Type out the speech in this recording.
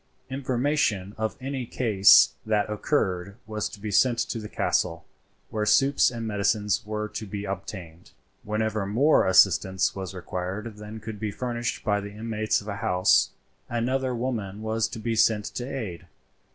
Information of any case that occurred was to be sent to the castle, where soups and medicines were to be obtained. Whenever more assistance was required than could be furnished by the inmates of a house, another woman was to be sent to aid.